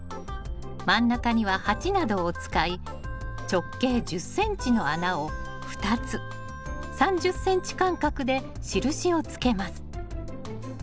真ん中には鉢などを使い直径１０ｃｍの穴を２つ３０ｃｍ間隔で印をつけます。